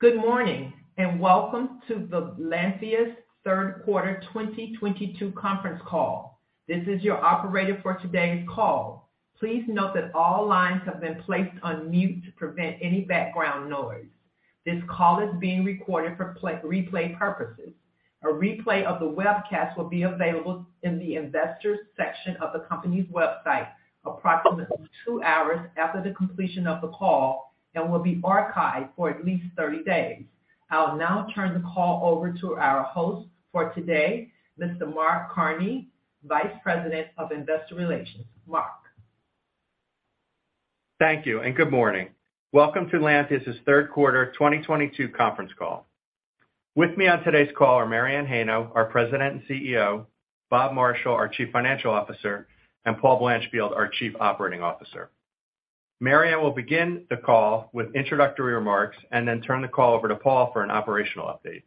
Good morning, and welcome to the Lantheus third quarter 2022 conference call. This is your operator for today's call. Please note that all lines have been placed on mute to prevent any background noise. This call is being recorded for replay purposes. A replay of the webcast will be available in the investors section of the company's website approximately two hours after the completion of the call and will be archived for at least 30 days. I'll now turn the call over to our host for today, Mr. Mark Kinarney, Vice President of Investor Relations. Mark. Thank you and good morning. Welcome to Lantheus's third quarter 2022 conference call. With me on today's call are Mary Anne Heino, our President and CEO, Bob Marshall, our Chief Financial Officer, and Paul Blanchfield, our Chief Operating Officer. Mary Anne will begin the call with introductory remarks and then turn the call over to Paul for an operational update.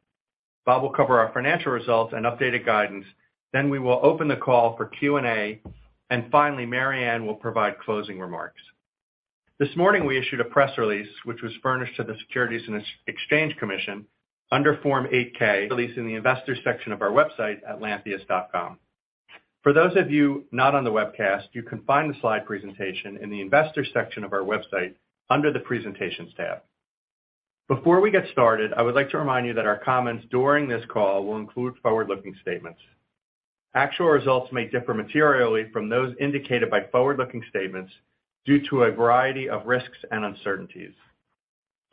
Bob will cover our financial results and updated guidance. Then we will open the call for Q&A, and finally, Mary Anne will provide closing remarks. This morning, we issued a press release, which was furnished to the Securities and Exchange Commission under Form 8-K, released in the investors section of our website at lantheus.com. For those of you not on the webcast, you can find the slide presentation in the investors section of our website under the Presentations tab. Before we get started, I would like to remind you that our comments during this call will include forward-looking statements. Actual results may differ materially from those indicated by forward-looking statements due to a variety of risks and uncertainties.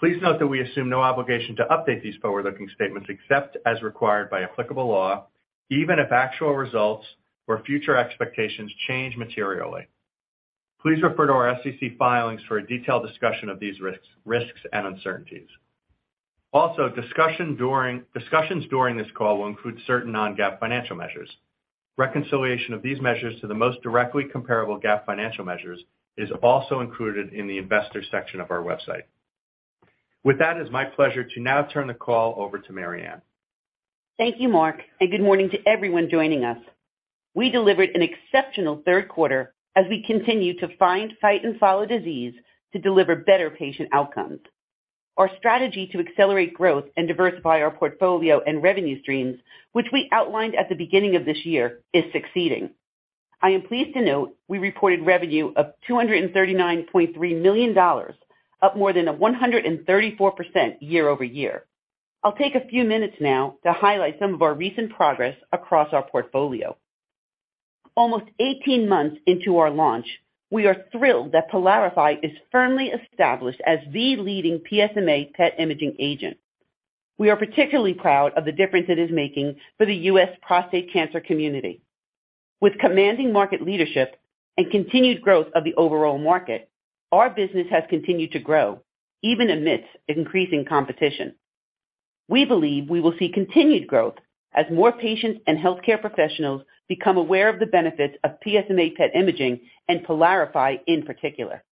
Please note that we assume no obligation to update these forward-looking statements except as required by applicable law, even if actual results or future expectations change materially. Please refer to our SEC filings for a detailed discussion of these risks and uncertainties. Also, discussions during this call will include certain non-GAAP financial measures. Reconciliation of these measures to the most directly comparable GAAP financial measures is also included in the investor section of our website. With that, it's my pleasure to now turn the call over to Mary Anne. Thank you, Mark, and good morning to everyone joining us. We delivered an exceptional third quarter as we continue to find, fight, and follow disease to deliver better patient outcomes. Our strategy to accelerate growth and diversify our portfolio and revenue streams, which we outlined at the beginning of this year, is succeeding. I am pleased to note we reported revenue of $239.3 million, up more than 134% year-over-year. I'll take a few minutes now to highlight some of our recent progress across our portfolio. Almost 18 months into our launch, we are thrilled that PYLARIFY is firmly established as the leading PSMA PET imaging agent. We are particularly proud of the difference it is making for the U.S. prostate cancer community. With commanding market leadership and continued growth of the overall market, our business has continued to grow even amidst increasing competition. We believe we will see continued growth as more patients and healthcare professionals become aware of the benefits of PSMA PET imaging and PYLARIFY in particular.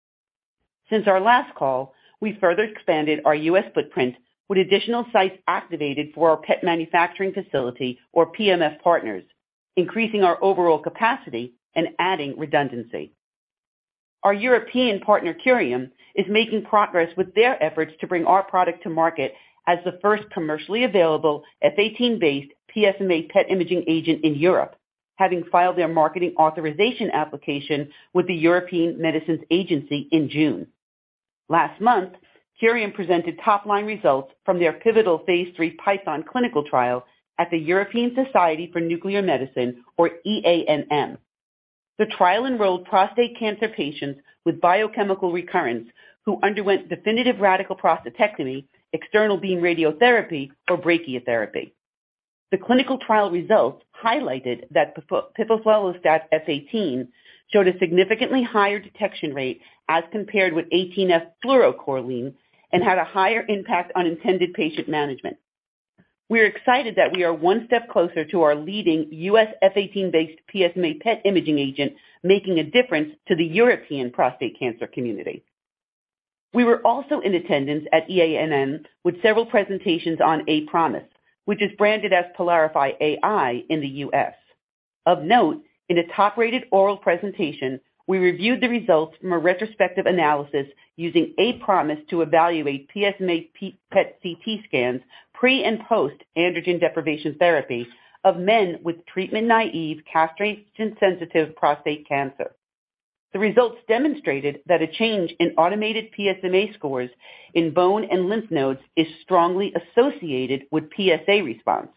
Since our last call, we further expanded our U.S. footprint with additional sites activated for our PET manufacturing facility or PMF partners, increasing our overall capacity and adding redundancy. Our European partner, Curium, is making progress with their efforts to bring our product to market as the first commercially available F-18-based PSMA PET imaging agent in Europe, having filed their marketing authorization application with the European Medicines Agency in June. Last month, Curium presented top-line results from their pivotal phase III PYTHON clinical trial at the European Association of Nuclear Medicine or EANM. The trial enrolled prostate cancer patients with biochemical recurrence who underwent definitive radical prostatectomy, external beam radiotherapy or brachytherapy. The clinical trial results highlighted that piflufolastat F 18 showed a significantly higher detection rate as compared with 18F-fluorocholine and had a higher impact on intended patient management. We're excited that we are one step closer to our leading U.S. F-18-based PSMA PET imaging agent, making a difference to the European prostate cancer community. We were also in attendance at EANM with several presentations on aPROMISE, which is branded as PYLARIFY AI in the US. Of note, in a top-rated oral presentation, we reviewed the results from a retrospective analysis using aPROMISE to evaluate PSMA PET CT scans pre and post-androgen deprivation therapy of men with treatment-naive, castrate-sensitive prostate cancer. The results demonstrated that a change in automated PSMA scores in bone and lymph nodes is strongly associated with PSA response.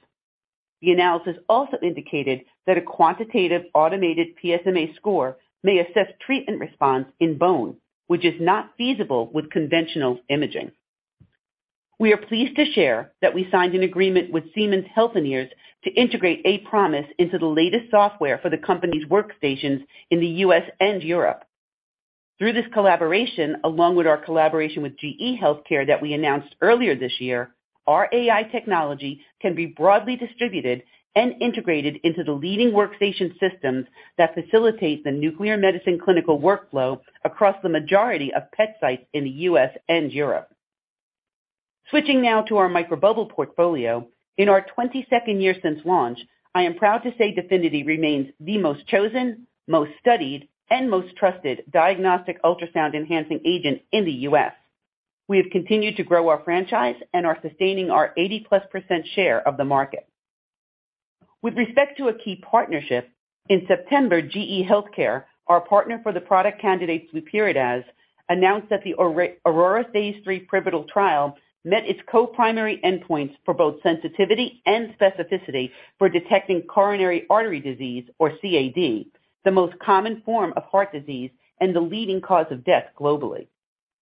The analysis also indicated that a quantitative automated PSMA score may assess treatment response in bone, which is not feasible with conventional imaging. We are pleased to share that we signed an agreement with Siemens Healthineers to integrate aPROMISE into the latest software for the company's workstations in the US and Europe. Through this collaboration, along with our collaboration with GE Healthcare that we announced earlier this year, our AI technology can be broadly distributed and integrated into the leading workstation systems that facilitate the nuclear medicine clinical workflow across the majority of PET sites in the U.S. and Europe. Switching now to our microbubble portfolio. In our 22nd year since launch, I am proud to say DEFINITY remains the most chosen, most studied, and most trusted diagnostic ultrasound enhancing agent in the U.S. We have continued to grow our franchise and are sustaining our 80%+ share of the market. With respect to a key partnership, in September, GE Healthcare, our partner for the product candidate flurpiridaz, announced that the AURORA phase III pivotal trial met its co-primary endpoints for both sensitivity and specificity for detecting coronary artery disease or CAD, the most common form of heart disease and the leading cause of death globally.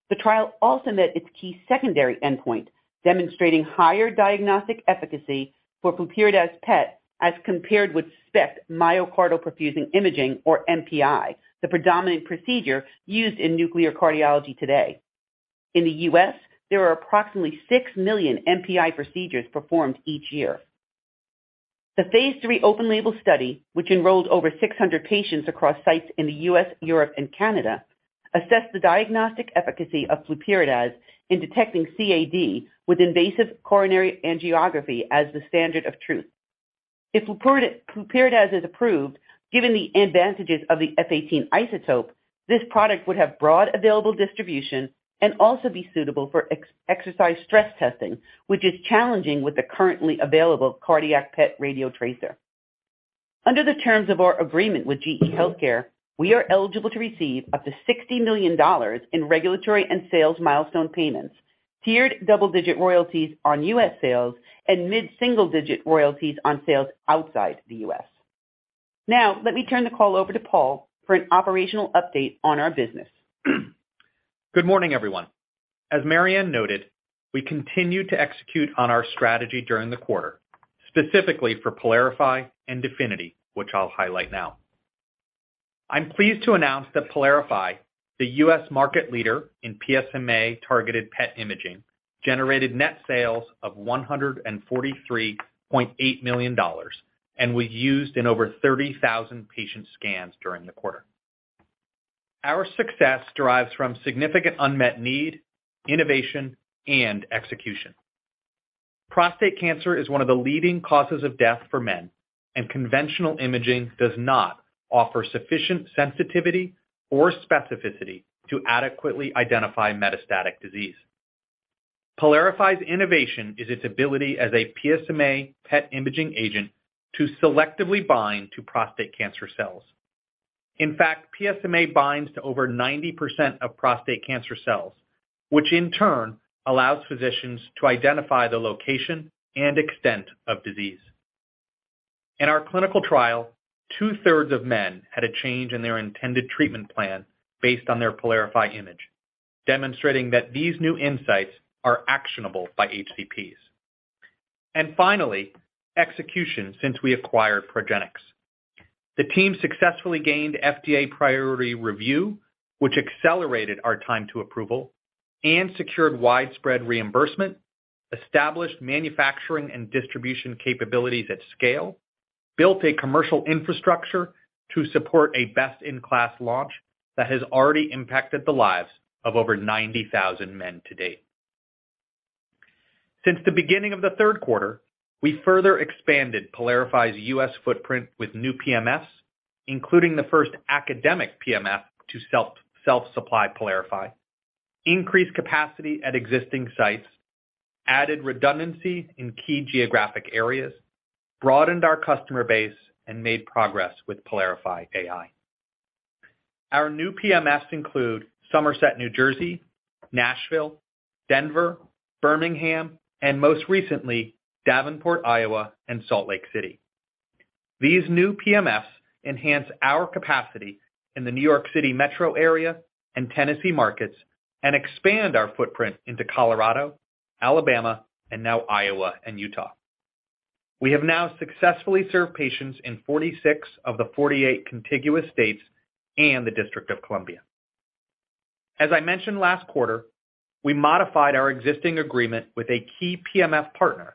The trial also met its key secondary endpoint, demonstrating higher diagnostic efficacy for flurpiridaz PET as compared with SPECT myocardial perfusion imaging, or MPI, the predominant procedure used in nuclear cardiology today. In the U.S., there are approximately six million MPI procedures performed each year. The phase III open label study, which enrolled over 600 patients across sites in the US, Europe and Canada, assessed the diagnostic efficacy of flurpiridaz in detecting CAD with invasive coronary angiography as the standard of truth. If flurpiridaz is approved, given the advantages of the F-18 isotope, this product would have broadly available distribution and also be suitable for exercise stress testing, which is challenging with the currently available cardiac PET radiotracer. Under the terms of our agreement with GE Healthcare, we are eligible to receive up to $60 million in regulatory and sales milestone payments, tiered double-digit royalties on U.S. Sales, and mid-single digit royalties on sales outside the U.S.. Now, let me turn the call over to Paul for an operational update on our business. Good morning, everyone. As Mary Anne noted, we continued to execute on our strategy during the quarter, specifically for PYLARIFY and DEFINITY, which I'll highlight now. I'm pleased to announce that PYLARIFY, the U.S. market leader in PSMA-targeted PET imaging, generated net sales of $143.8 million and was used in over 30,000 patient scans during the quarter. Our success derives from significant unmet need, innovation, and execution. Prostate cancer is one of the leading causes of death for men, and conventional imaging does not offer sufficient sensitivity or specificity to adequately identify metastatic disease. PYLARIFY's innovation is its ability as a PSMA PET imaging agent to selectively bind to prostate cancer cells. In fact, PSMA binds to over 90% of prostate cancer cells, which in turn allows physicians to identify the location and extent of disease. In our clinical trial, two-thirds of men had a change in their intended treatment plan based on their PYLARIFY image, demonstrating that these new insights are actionable by HCPs. Finally, execution since we acquired Progenics. The team successfully gained FDA priority review, which accelerated our time to approval and secured widespread reimbursement, established manufacturing and distribution capabilities at scale, built a commercial infrastructure to support a best-in-class launch that has already impacted the lives of over 90,000 men to date. Since the beginning of the third quarter, we further expanded PYLARIFY's U.S. footprint with new PMFs, including the first academic PMF to self-supply PYLARIFY, increased capacity at existing sites, added redundancy in key geographic areas, broadened our customer base, and made progress with PYLARIFY AI. Our new PMFs include Somerset, New Jersey, Nashville, Denver, Birmingham, and most recently, Davenport, Iowa, and Salt Lake City. These new PMFs enhance our capacity in the New York City metro area and Tennessee markets and expand our footprint into Colorado, Alabama and now Iowa and Utah. We have now successfully served patients in 46 of the 48 contiguous states and the District of Columbia. As I mentioned last quarter, we modified our existing agreement with a key PMF partner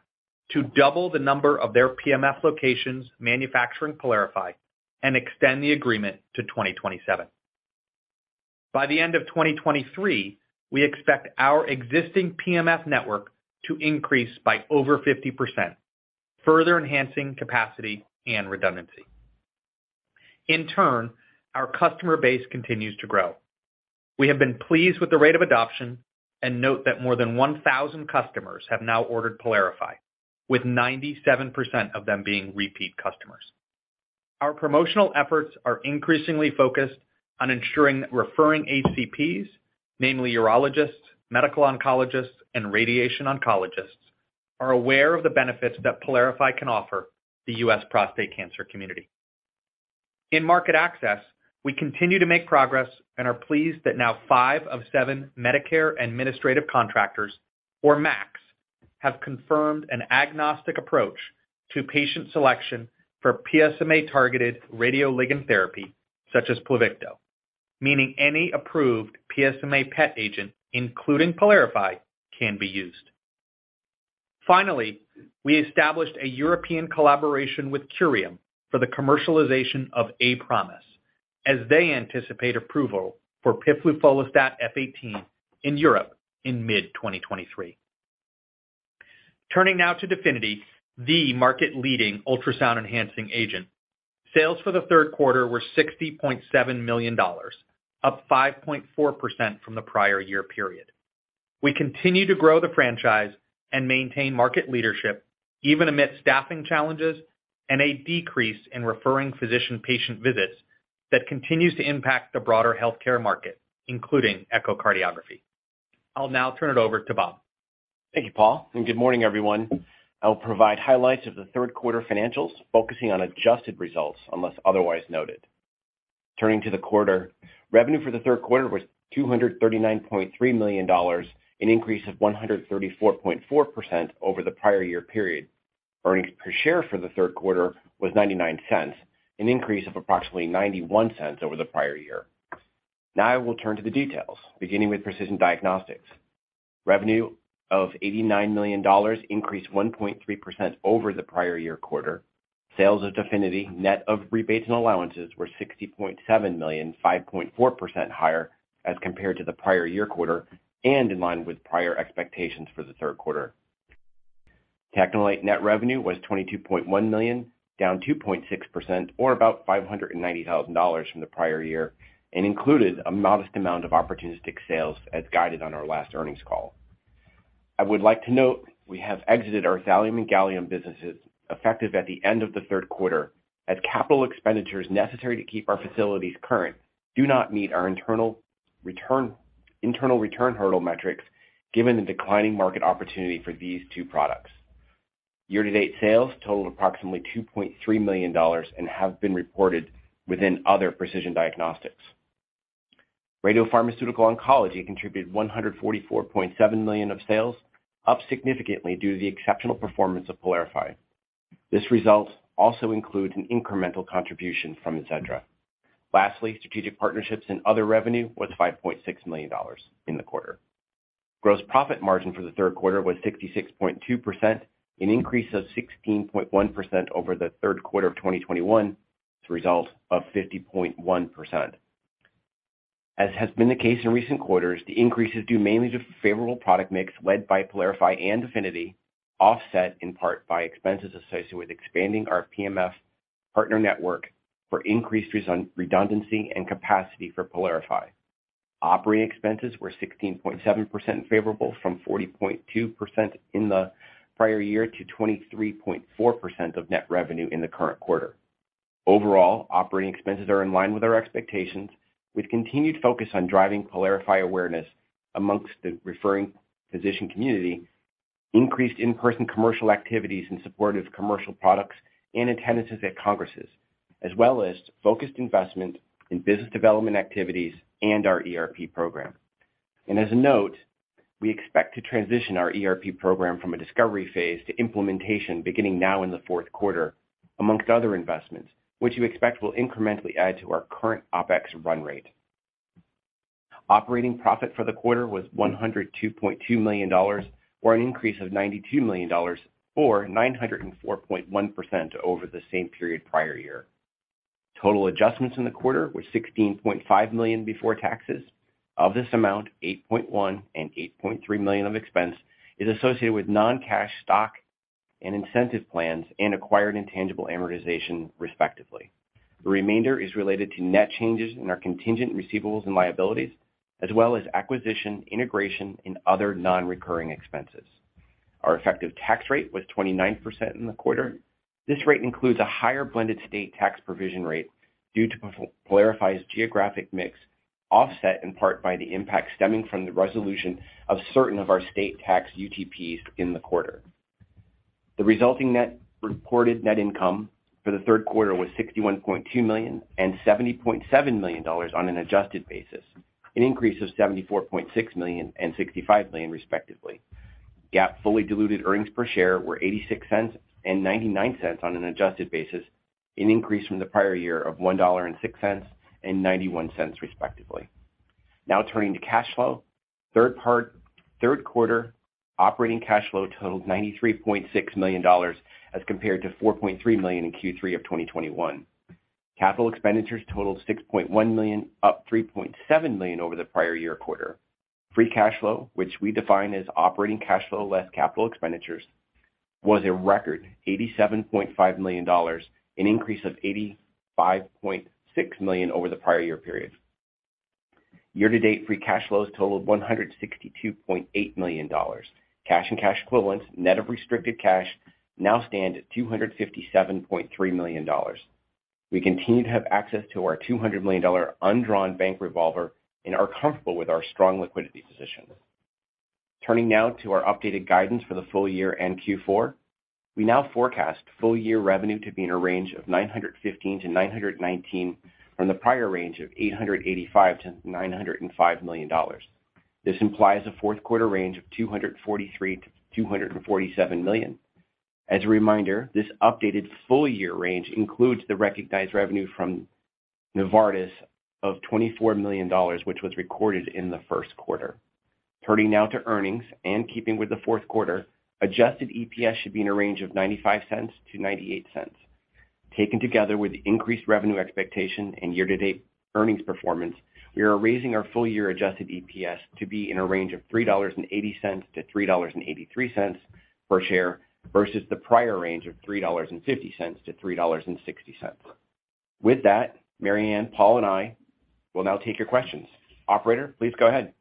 to double the number of their PMF locations manufacturing PYLARIFY and extend the agreement to 2027. By the end of 2023, we expect our existing PMF network to increase by over 50%, further enhancing capacity and redundancy. In turn, our customer base continues to grow. We have been pleased with the rate of adoption and note that more than 1,000 customers have now ordered PYLARIFY, with 97% of them being repeat customers. Our promotional efforts are increasingly focused on ensuring that referring HCPs, namely urologists, medical oncologists, and radiation oncologists, are aware of the benefits that PYLARIFY can offer the US prostate cancer community. In market access, we continue to make progress and are pleased that now five of seven Medicare administrative contractors or MACs have confirmed an agnostic approach to patient selection for PSMA-targeted radioligand therapy such as Pluvicto, meaning any approved PSMA PET agent, including PYLARIFY, can be used. We established a European collaboration with Curium for the commercialization of aPROMISE as they anticipate approval for piflufolastat F 18 in Europe in mid-2023. Turning now to DEFINITY, the market-leading ultrasound enhancing agent. Sales for the third quarter were $60.7 million, up 5.4% from the prior year period. We continue to grow the franchise and maintain market leadership even amid staffing challenges and a decrease in referring physician patient visits that continues to impact the broader healthcare market, including echocardiography. I'll now turn it over to Bob. Thank you, Paul, and good morning, everyone. I will provide highlights of the third quarter financials, focusing on adjusted results unless otherwise noted. Turning to the quarter, revenue for the third quarter was $239.3 million, an increase of 134.4% over the prior year period. Earnings per share for the third quarter was $0.99, an increase of approximately $0.91 over the prior year. Now we'll turn to the details, beginning with precision diagnostics. Revenue of $89 million increased 1.3% over the prior year quarter. Sales of DEFINITY, net of rebates and allowances, were $60.7 million, 5.4% higher as compared to the prior year quarter and in line with prior expectations for the third quarter. TechneLite net revenue was $22.1 million, down 2.6% or about $590,000 from the prior year, and included a modest amount of opportunistic sales as guided on our last earnings call. I would like to note we have exited our thallium and gallium businesses effective at the end of the third quarter as capital expenditures necessary to keep our facilities current do not meet our internal return hurdle metrics given the declining market opportunity for these two products. Year to date sales totaled approximately $2.3 million and have been reported within other precision diagnostics. Radiopharmaceutical oncology contributed $144.7 million of sales, up significantly due to the exceptional performance of PYLARIFY. This result also includes an incremental contribution from AZEDRA. Lastly, strategic partnerships and other revenue was $5.6 million in the quarter. Gross profit margin for the third quarter was 66.2%, an increase of 16.1% over the third quarter of 2021 from 50.1%. As has been the case in recent quarters, the increase is due mainly to favorable product mix led by PYLARIFY and DEFINITY, offset in part by expenses associated with expanding our PMF partner network for increased redundancy and capacity for PYLARIFY. Operating expenses were 16.7% favorable, from 40.2% in the prior year to 23.4% of net revenue in the current quarter. Overall, operating expenses are in line with our expectations with continued focus on driving PYLARIFY awareness among the referring physician community, increased in-person commercial activities in support of commercial products and attendance at congresses, as well as focused investment in business development activities and our ERP program. As a note, we expect to transition our ERP program from a discovery phase to implementation beginning now in the fourth quarter, among other investments, which we expect will incrementally add to our current OpEx run rate. Operating profit for the quarter was $102.2 million, or an increase of $92 million or 904.1% over the same period prior year. Total adjustments in the quarter were $16.5 million before taxes. Of this amount, $8.1 million and $8.3 million of expense is associated with non-cash stock and incentive plans and acquired intangible amortization, respectively. The remainder is related to net changes in our contingent receivables and liabilities, as well as acquisition, integration, and other non-recurring expenses. Our effective tax rate was 29% in the quarter. This rate includes a higher blended state tax provision rate due to PYLARIFY's geographic mix, offset in part by the impact stemming from the resolution of certain of our state tax UTPs in the quarter. The resulting reported net income for the third quarter was $61.2 million and $70.7 million on an adjusted basis, an increase of $74.6 million and $65 million, respectively. GAAP fully diluted earnings per share were $0.86 and $0.99 on an adjusted basis, an increase from the prior year of $1.06 and $0.91, respectively. Now turning to cash flow. Third quarter operating cash flow totaled $93.6 million as compared to $4.3 million in Q3 of 2021. Capital expenditures totaled $6.1 million, up $3.7 million over the prior year quarter. Free cash flow, which we define as operating cash flow less capital expenditures, was a record $87.5 million, an increase of $85.6 million over the prior year period. Year to date, free cash flows totaled $162.8 million. Cash and cash equivalents, net of restricted cash, now stand at $257.3 million. We continue to have access to our $200 million undrawn bank revolver and are comfortable with our strong liquidity position. Turning now to our updated guidance for the full year and Q4. We now forecast full year revenue to be in a range of $915 million-$919 million from the prior range of $885 million-$905 million. This implies a fourth quarter range of $243 million-$247 million. As a reminder, this updated full-year range includes the recognized revenue from Novartis of $24 million, which was recorded in the first quarter. Turning now to earnings and keeping with the fourth quarter, adjusted EPS should be in a range of $0.95-$0.98. Taken together with the increased revenue expectation and year-to-date earnings performance, we are raising our full year adjusted EPS to be in a range of $3.80-$3.83 per share versus the prior range of $3.50-$3.60. With that, Mary Anne, Paul, and I will now take your questions. Operator, please go ahead.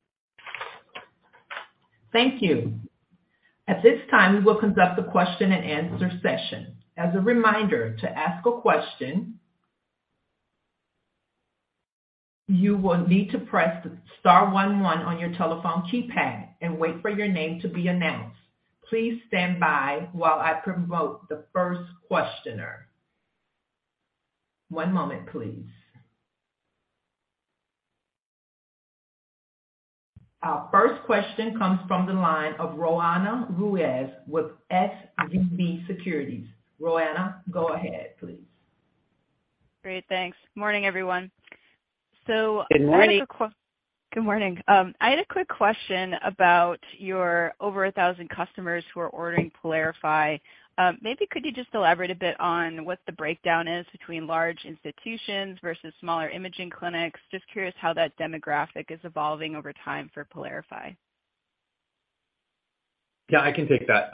Thank you. At this time, we will conduct a question-and-answer session. As a reminder, to ask a question, you will need to press star one one on your telephone keypad and wait for your name to be announced. Please stand by while I prompt the first questioner. One moment, please. Our first question comes from the line of Roanna Ruiz with SVB Securities. Roanna, go ahead, please. Great. Thanks. Morning, everyone. Good morning. Good morning. I had a quick question about your over 1,000 customers who are ordering PYLARIFY. Maybe could you just elaborate a bit on what the breakdown is between large institutions versus smaller imaging clinics? Just curious how that demographic is evolving over time for PYLARIFY. Yeah, I can take that.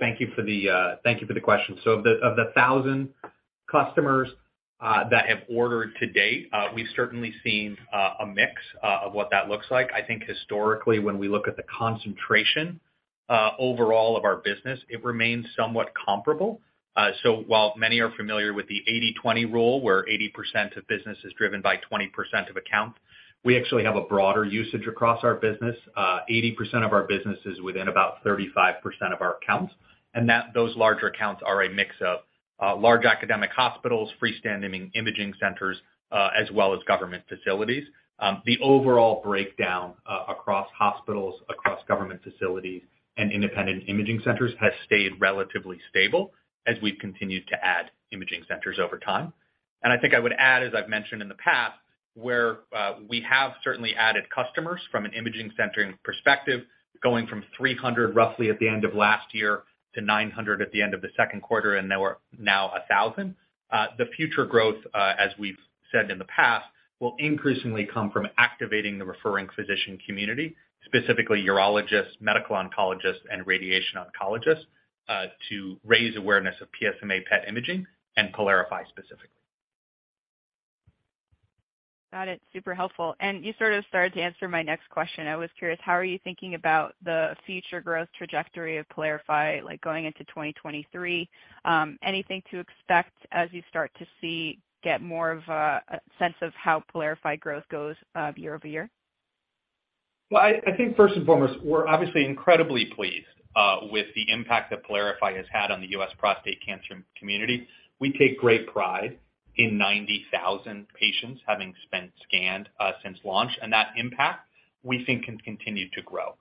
Thank you for the question. Of the thousand customers that have ordered to date, we've certainly seen a mix of what that looks like. I think historically when we look at the concentration overall of our business, it remains somewhat comparable. While many are familiar with the 80/20 rule, where 80% of business is driven by 20% of accounts, we actually have a broader usage across our business. 80% of our business is within about 35% of our accounts, and those larger accounts are a mix of large academic hospitals, freestanding imaging centers, as well as government facilities. The overall breakdown across hospitals, across government facilities, and independent imaging centers has stayed relatively stable as we've continued to add imaging centers over time. I think I would add, as I've mentioned in the past, where we have certainly added customers from an imaging center perspective, going from 300 roughly at the end of last year to 900 at the end of the second quarter, and we're now at 1,000. The future growth, as we've said in the past, will increasingly come from activating the referring physician community, specifically urologists, medical oncologists, and radiation oncologists, to raise awareness of PSMA PET imaging and PYLARIFY specifically. Got it. Super helpful. You sort of started to answer my next question. I was curious, how are you thinking about the future growth trajectory of PYLARIFY, like, going into 2023? Anything to expect as you start to see get more of a sense of how PYLARIFY growth goes, year-over-year? Well, I think first and foremost, we're obviously incredibly pleased with the impact that PYLARIFY has had on the U.S. prostate cancer community. We take great pride in 90,000 patients having been scanned since launch. That impact, we think, can continue to grow.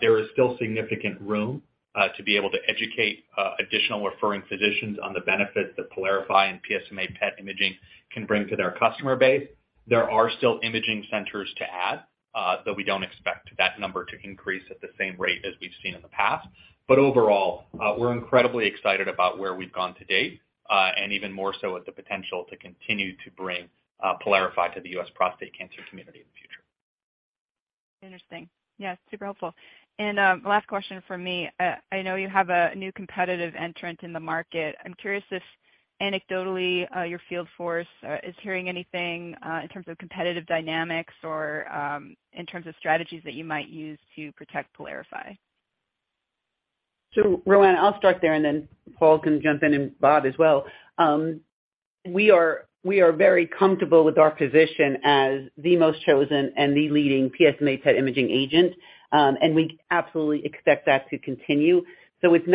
There is still significant room to be able to educate additional referring physicians on the benefits that PYLARIFY and PSMA PET imaging can bring to their customer base. There are still imaging centers to add, though we don't expect that number to increase at the same rate as we've seen in the past. Overall, we're incredibly excited about where we've gone to date and even more so at the potential to continue to bring PYLARIFY to the U.S. prostate cancer community in the future. Interesting. Yeah, super helpful. Last question from me. I know you have a new competitive entrant in the market. I'm curious if anecdotally your field force is hearing anything in terms of competitive dynamics or in terms of strategies that you might use to protect PYLARIFY? Roanna, I'll start there, and then Paul can jump in and Bob as well. We are very comfortable with our position as the most chosen and the leading PSMA PET imaging agent. We absolutely expect that to continue. We're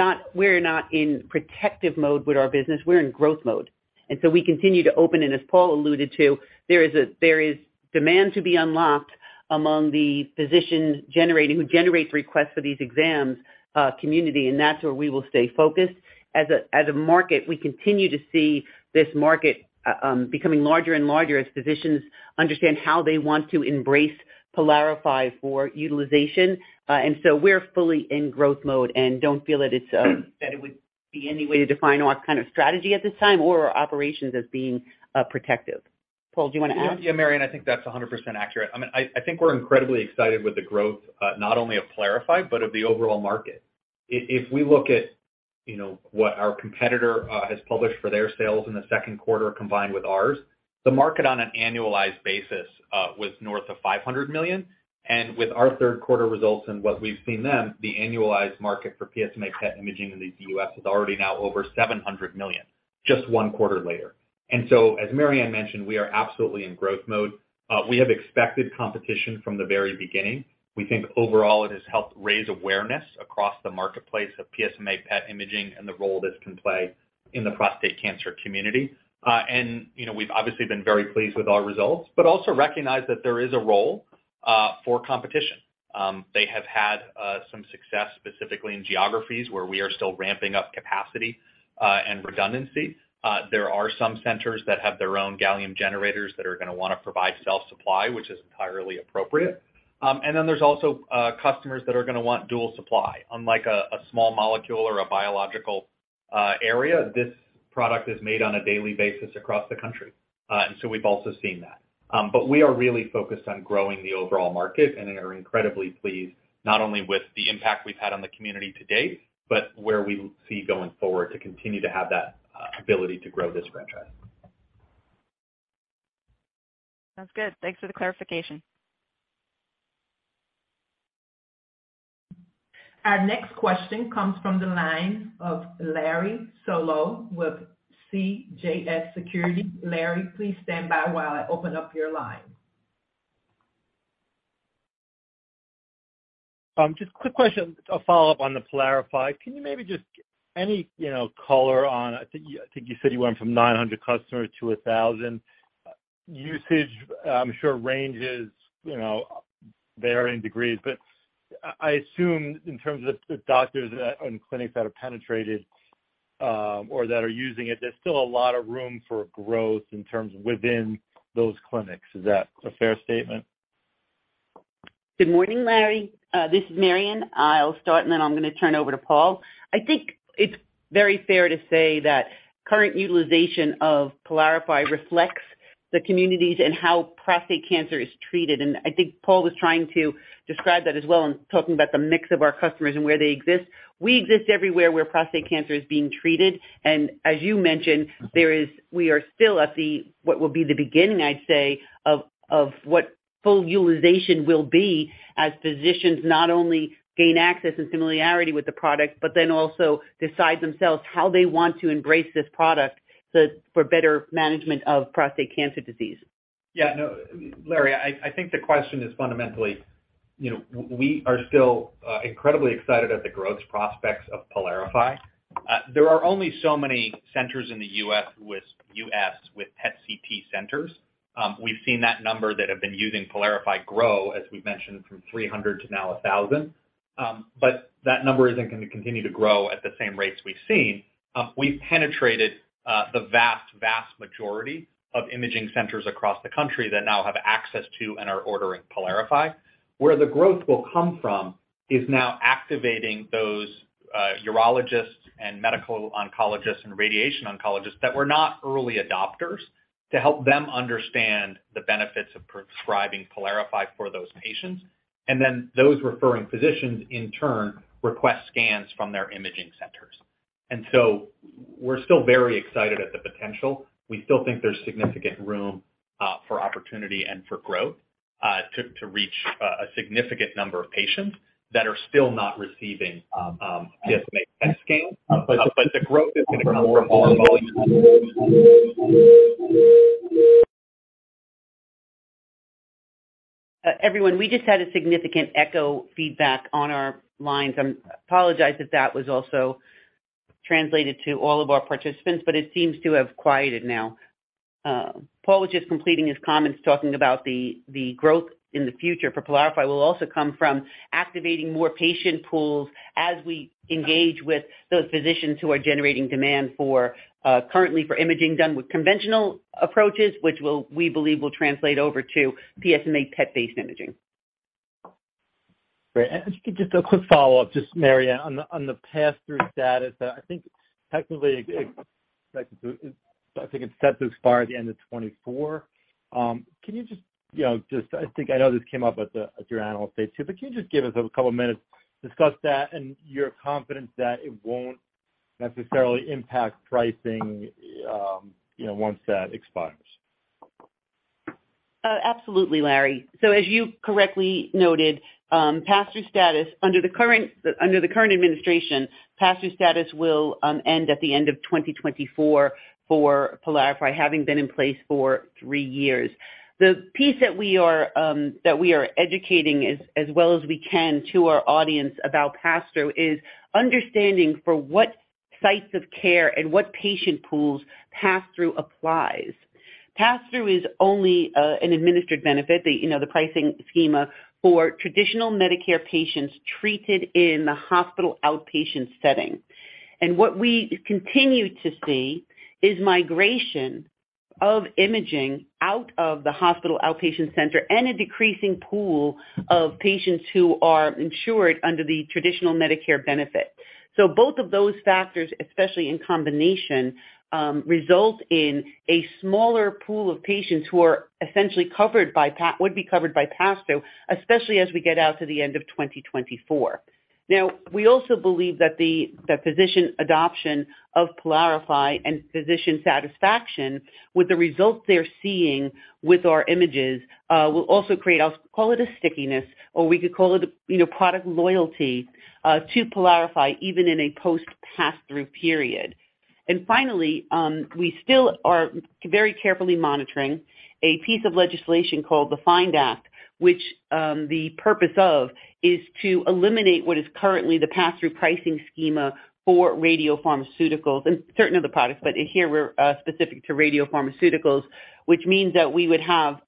not in protective mode with our business, we're in growth mode, and so we continue to open, and as Paul alluded to, there is demand to be unlocked among the physicians who generates requests for these exams, community, and that's where we will stay focused. As a market, we continue to see this market becoming larger and larger as physicians understand how they want to embrace PYLARIFY for utilization. We're fully in growth mode and don't feel that it would be any way to define our kind of strategy at this time or our operations as being protective. Paul, do you wanna add? Yeah. Yeah, Mary Anne, I think that's 100% accurate. I mean, I think we're incredibly excited with the growth, not only of PYLARIFY but of the overall market. If we look at, you know, what our competitor has published for their sales in the second quarter combined with ours, the market on an annualized basis was north of $500 million. With our third quarter results and what we've seen from them, the annualized market for PSMA PET imaging in the U.S. is already now over $700 million, just one quarter later. As Mary Anne mentioned, we are absolutely in growth mode. We have expected competition from the very beginning. We think overall it has helped raise awareness across the marketplace of PSMA PET imaging and the role this can play in the prostate cancer community. You know, we've obviously been very pleased with our results, but also recognize that there is a role for competition. They have had some success specifically in geographies where we are still ramping up capacity and redundancy. There are some centers that have their own gallium generators that are gonna wanna provide self-supply, which is entirely appropriate. Then there's also customers that are gonna want dual supply. Unlike a small molecule or a biological area, this product is made on a daily basis across the country. We've also seen that. We are really focused on growing the overall market and are incredibly pleased, not only with the impact we've had on the community to date, but where we see going forward to continue to have that ability to grow this franchise. That's good. Thanks for the clarification. Our next question comes from the line of Larry Solow with CJS Securities. Larry, please stand by while I open up your line. Just quick question to follow up on the PYLARIFY. Can you maybe just any color on? I think you said you went from 900 customers to 1,000. Usage, I'm sure ranges varying degrees, but I assume in terms of the doctors and clinics that have penetrated or that are using it, there's still a lot of room for growth in terms of within those clinics. Is that a fair statement? Good morning, Larry. This is Mary Anne. I'll start, and then I'm gonna turn over to Paul. I think it's very fair to say that current utilization of PYLARIFY reflects the communities and how prostate cancer is treated. I think Paul was trying to describe that as well in talking about the mix of our customers and where they exist. We exist everywhere where prostate cancer is being treated. As you mentioned, we are still at the what will be the beginning, I'd say, of what full utilization will be as physicians not only gain access and familiarity with the product, but then also decide themselves how they want to embrace this product so for better management of prostate cancer disease. Yeah, no. Larry, I think the question is fundamentally, you know, we are still incredibly excited at the growth prospects of PYLARIFY. There are only so many centers in the U.S. with PET CT centers. We've seen that number that have been using PYLARIFY grow, as we've mentioned, from 300 to now 1,000. But that number isn't gonna continue to grow at the same rates we've seen. We've penetrated the vast majority of imaging centers across the country that now have access to and are ordering PYLARIFY. Where the growth will come from is now activating those urologists and medical oncologists and radiation oncologists that were not early adopters to help them understand the benefits of prescribing PYLARIFY for those patients, and then those referring physicians in turn request scans from their imaging centers. We're still very excited at the potential. We still think there's significant room for opportunity and for growth to reach a significant number of patients that are still not receiving PSMA PET scans. The growth is gonna come from all- Everyone, we just had a significant echo feedback on our lines. I apologize if that was also translated to all of our participants, but it seems to have quieted now. Paul was just completing his comments talking about the growth in the future for PYLARIFY, which will also come from activating more patient pools as we engage with those physicians who are generating demand currently for imaging done with conventional approaches, which we believe will translate over to PSMA PET-based imaging. Great. Just a quick follow-up, just Mary Anne, on the pass-through status. I think it's set to expire at the end of 2024. Can you just, you know, I think I know this came up at your Analyst Day too, but can you just give us a couple minutes to discuss that and your confidence that it won't necessarily impact pricing, you know, once that expires? Absolutely, Larry. As you correctly noted, pass-through status under the current administration will end at the end of 2024 for PYLARIFY, having been in place for three years. The piece that we are educating as well as we can to our audience about pass-through is understanding for what sites of care and what patient pools pass-through applies. Pass-through is only an administered benefit, you know, the pricing schema for traditional Medicare patients treated in the hospital outpatient setting. What we continue to see is migration of imaging out of the hospital outpatient center and a decreasing pool of patients who are insured under the traditional Medicare benefit. Both of those factors, especially in combination, result in a smaller pool of patients who would be covered by pass-through, especially as we get out to the end of 2024. Now, we also believe that the physician adoption of PYLARIFY and physician satisfaction with the results they're seeing with our images will also create, I'll call it a stickiness, or we could call it a, you know, product loyalty to PYLARIFY even in a post pass-through period. Finally, we still are very carefully monitoring a piece of legislation called the FIND Act, which the purpose of is to eliminate what is currently the pass-through pricing scheme for radiopharmaceuticals and certain other products. Here we're specific to radiopharmaceuticals, which means that we would have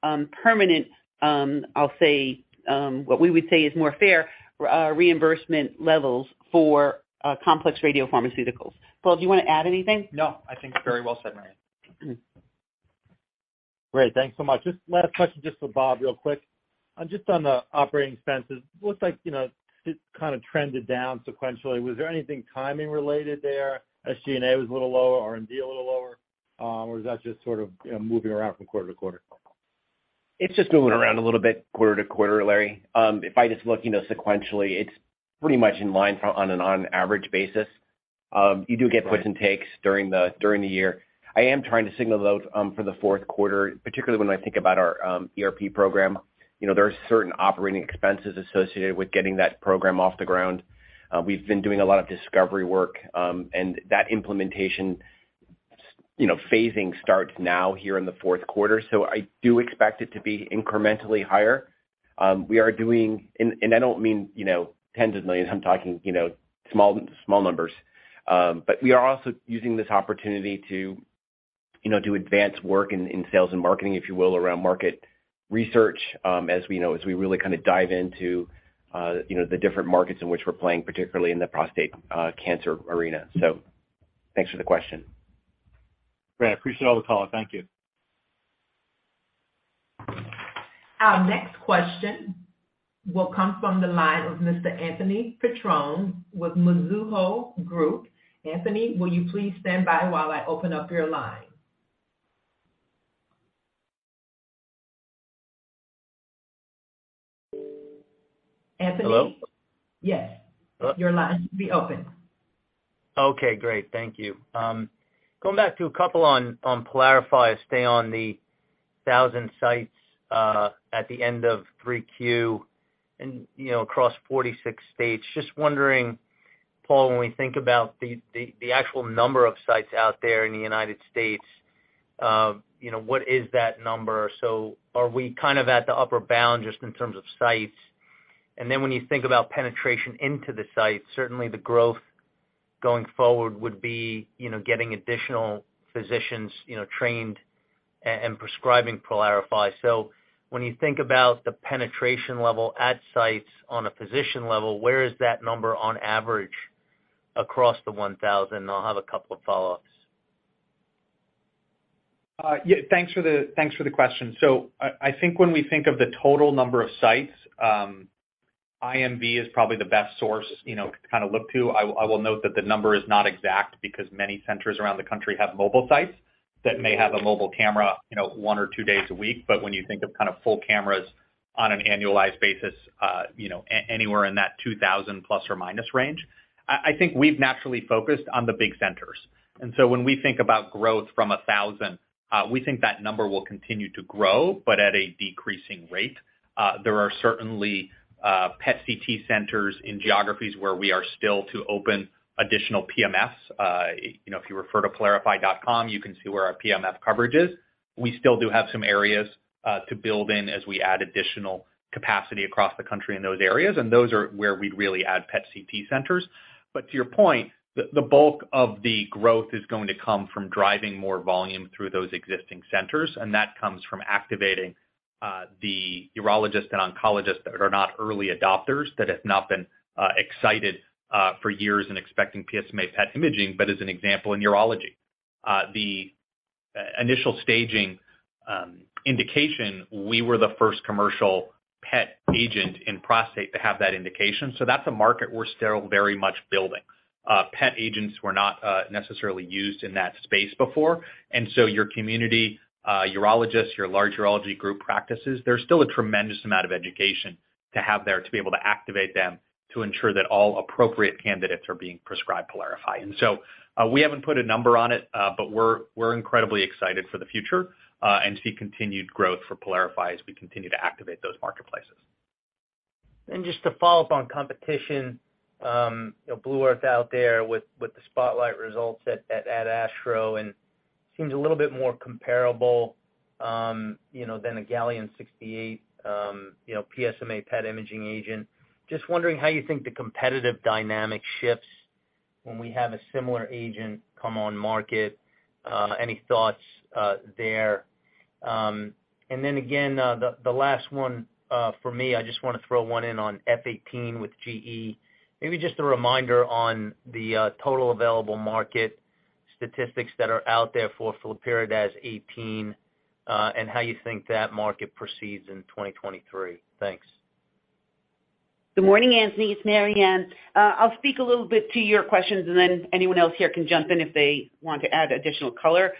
permanent, I'll say, what we would say is more fair reimbursement levels for complex radiopharmaceuticals. Paul, do you wanna add anything? No, I think it's very well said, Mary Anne. Great. Thanks so much. Just last question, just for Bob real quick. Just on the operating expenses, looks like, you know, it kind of trended down sequentially. Was there anything timing related there as G&A was a little lower, R&D a little lower, or is that just sort of, you know, moving around from quarter to quarter? It's just moving around a little bit quarter to quarter, Larry. If I just look, you know, sequentially, it's pretty much in line on an average basis. You do get puts and takes during the year. I'm trying to signal those for the fourth quarter, particularly when I think about our ERP program. You know, there are certain operating expenses associated with getting that program off the ground. We've been doing a lot of discovery work, and that implementation, you know, phasing starts now here in the fourth quarter. I do expect it to be incrementally higher. I don't mean, you know, tens of millions. I'm talking, you know, small numbers. We are also using this opportunity to, you know, do advanced work in sales and marketing, if you will, around market research, as we know, as we really kinda dive into, you know, the different markets in which we're playing, particularly in the prostate cancer arena. Thanks for the question. Great. I appreciate all the color. Thank you. Our next question will come from the line of Mr. Anthony Petrone with Mizuho Group. Anthony, will you please stand by while I open up your line? Anthony? Hello? Yes. Uh- Your line should be open. Okay, great. Thank you. Going back to a couple on PYLARIFY, stayed on the 1,000 sites at the end of 3Q, you know, across 46 states. Just wondering, Paul, when we think about the actual number of sites out there in the United States, you know, what is that number? Are we kind of at the upper bound just in terms of sites? When you think about penetration into the sites, certainly the growth going forward would be, you know, getting additional physicians, you know, trained and prescribing PYLARIFY. When you think about the penetration level at sites on a physician level, where is that number on average across the 1,000? I'll have a couple of follow-ups. Yeah. Thanks for the question. I think when we think of the total number of sites, IMV is probably the best source, you know, to kinda look to. I will note that the number is not exact because many centers around the country have mobile sites that may have a mobile camera, you know, one or two days a week. When you think of kind of full cameras on an annualized basis, you know, anywhere in that 2,000± range. I think we've naturally focused on the big centers. When we think about growth from 1,000, we think that number will continue to grow, but at a decreasing rate. There are certainly PET CT centers in geographies where we are still to open additional PMFs. You know, if you refer to pylarify.com, you can see where our PMF coverage is. We still do have some areas to build in as we add additional capacity across the country in those areas, and those are where we'd really add PET CT centers. To your point, the bulk of the growth is going to come from driving more volume through those existing centers, and that comes from activating the urologists and oncologists that are not early adopters, that have not been excited for years in expecting PSMA PET imaging. As an example, in urology, the initial staging indication, we were the first commercial PET agent in prostate to have that indication. That's a market we're still very much building. PET agents were not necessarily used in that space before. Your community urologists, your large urology group practices, there's still a tremendous amount of education to have there to be able to activate them to ensure that all appropriate candidates are being prescribed PYLARIFY. We haven't put a number on it, but we're incredibly excited for the future and see continued growth for PYLARIFY as we continue to activate those marketplaces. Just to follow up on competition, you know, Blue Earth Diagnostics out there with the SPOTLIGHT results at ASTRO and seems a little bit more comparable, you know, than a Gallium-68, you know, PSMA PET imaging agent. Just wondering how you think the competitive dynamic shifts when we have a similar agent come on market. Any thoughts there? Then again, the last one for me, I just wanna throw one in on F-18 with GE. Maybe just a reminder on the total available market statistics that are out there for flurpiridaz F 18, and how you think that market proceeds in 2023. Thanks. Good morning, Anthony. It's Mary Anne. I'll speak a little bit to your questions, and then anyone else here can jump in if they want to add additional color.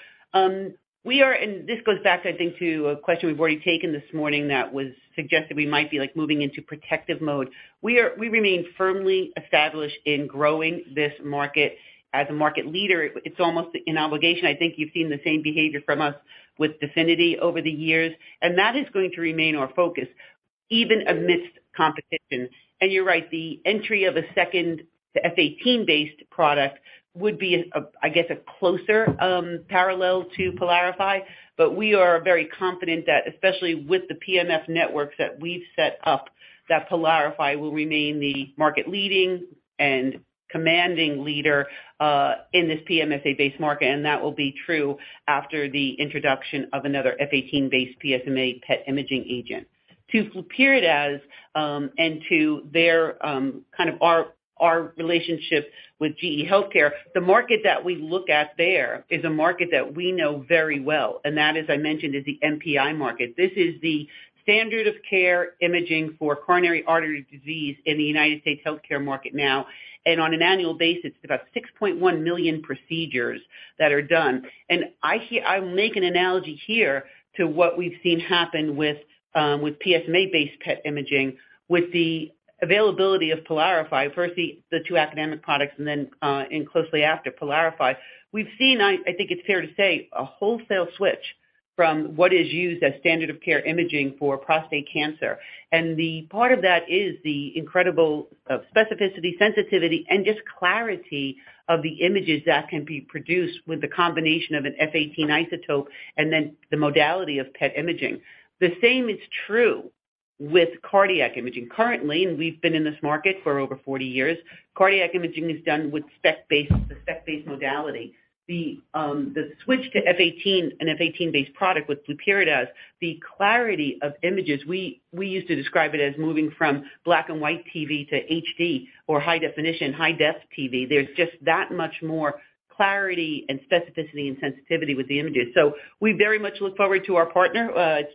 This goes back, I think, to a question we've already taken this morning that was suggested we might be, like, moving into protective mode. We remain firmly established in growing this market. As a market leader, it's almost an obligation. I think you've seen the same behavior from us with DEFINITY over the years, and that is going to remain our focus. Even amidst competition. You're right, the entry of a second F-18-based product would be, I guess, a closer parallel to PYLARIFY. We are very confident that especially with the PMF networks that we've set up, that PYLARIFY will remain the market-leading and commanding leader in this PSMA-based market, and that will be true after the introduction of another F-18-based PSMA PET imaging agent. To flurpiridaz and to their kind of our relationship with GE Healthcare, the market that we look at there is a market that we know very well, and that, as I mentioned, is the MPI market. This is the standard of care imaging for coronary artery disease in the United States healthcare market now. On an annual basis, about 6.1 million procedures that are done. I will make an analogy here to what we've seen happen with PSMA-based PET imaging with the availability of PYLARIFY. First the two academic products and then, and closely after, PYLARIFY. We've seen, I think it's fair to say, a wholesale switch from what is used as standard of care imaging for prostate cancer. The part of that is the incredible, specificity, sensitivity, and just clarity of the images that can be produced with the combination of an F-18 isotope and then the modality of PET imaging. The same is true with cardiac imaging. Currently, and we've been in this market for over 40 years, cardiac imaging is done with SPECT-based modality. The switch to F-18, an F-18-based product with flurpiridaz, the clarity of images, we used to describe it as moving from black and white TV to HD or high definition, high-def TV. There's just that much more clarity and specificity and sensitivity with the images. We very much look forward to our partner,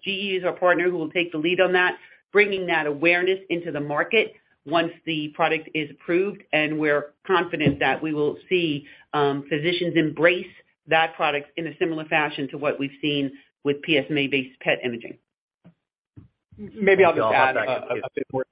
GE is our partner who will take the lead on that, bringing that awareness into the market once the product is approved. We're confident that we will see physicians embrace that product in a similar fashion to what we've seen with PSMA-based PET imaging. Maybe I'll just add a bit more.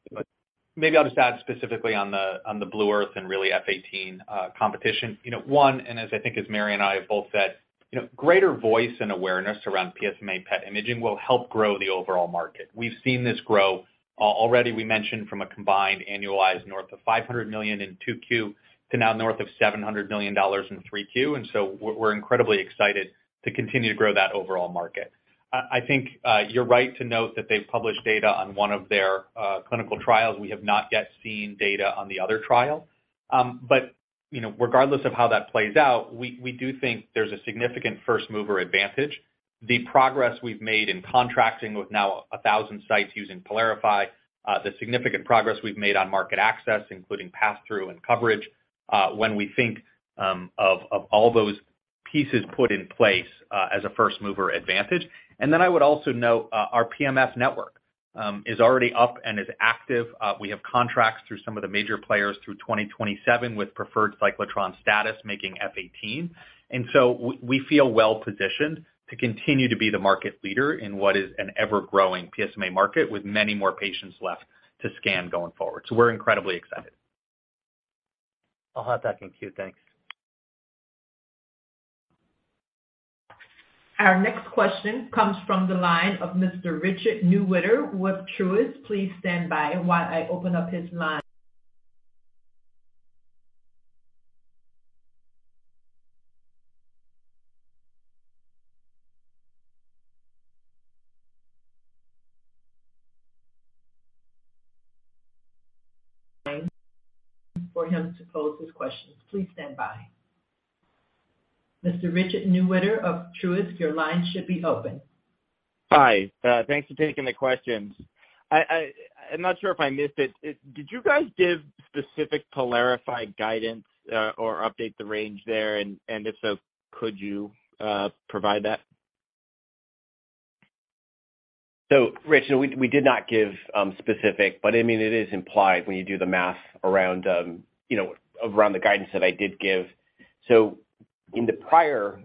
Maybe I'll just add specifically on the Blue Earth and really F-18 competition. You know, and as I think as Mary and I have both said, you know, greater voice and awareness around PSMA PET imaging will help grow the overall market. We've seen this grow. Already we mentioned from a combined annualized north of $500 million in 2Q to now north of $700 million in 3Q. We're incredibly excited to continue to grow that overall market. I think you're right to note that they've published data on one of their clinical trials. We have not yet seen data on the other trial. But you know, regardless of how that plays out, we do think there's a significant first-mover advantage. The progress we've made in contracting with now 1,000 sites using PYLARIFY, the significant progress we've made on market access, including pass-through and coverage, when we think of all those pieces put in place, as a first-mover advantage. I would also note our PMF network is already up and is active. We have contracts through some of the major players through 2027 with preferred cyclotron status making F-18. We feel well positioned to continue to be the market leader in what is an ever-growing PSMA market with many more patients left to scan going forward. We're incredibly excited. I'll hop back in queue. Thanks. Our next question comes from the line of Mr. Richard Newitter with Truist. Please stand by while I open up his line. For him to pose his questions. Please stand by. Mr. Richard Newitter of Truist, your line should be open. Hi, thanks for taking the questions. I'm not sure if I missed it. Did you guys give specific PYLARIFY guidance, or update the range there? If so, could you provide that? Richard, we did not give specific, but I mean, it is implied when you do the math around, you know, around the guidance that I did give. In the prior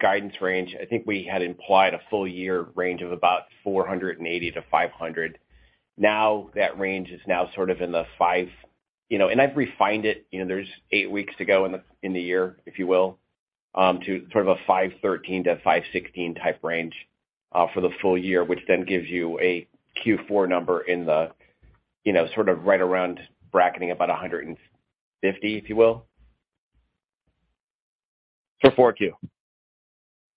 guidance range, I think we had implied a full year range of about $480 million-$500 million. Now that range is now sort of in the $500 million. You know, and I have refined it, you know, there are eight weeks to go in the year, if you will, to sort of a $513 million-$516 million type range for the full year, which then gives you a Q4 number in the, you know, sort of right around bracketing about $150 million, if you will. Q4?